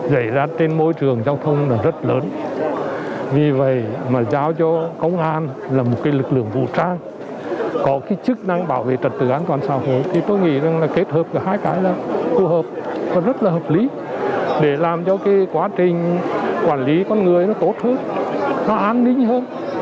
xảy ra trên môi trường giao thông là rất lớn vì vậy mà giao cho công an là một cái lực lượng vũ trang có cái chức năng bảo vệ trật tự an toàn xã hội thì tôi nghĩ rằng là kết hợp cả hai cái là phù hợp nó rất là hợp lý để làm cho cái quá trình quản lý con người nó tốt hơn nó an ninh hơn